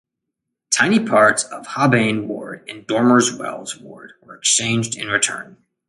Tiny parts of Hobbayne ward and Dormers Wells ward were exchanged in return.